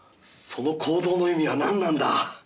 その行動の意味は何なんだ？